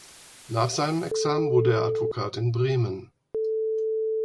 Nach seinem Examen wurde er Advokat in Bremen.